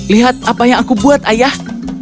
lihat apa yang aku buat ayah